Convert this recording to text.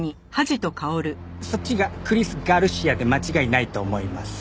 そっちがクリス・ガルシアで間違いないと思います。